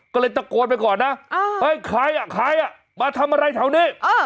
ก็เลยตะโกนไปก่อนนะเฮ้ยใครอ่ะใครอ่ะมาทำอะไรแถวนี้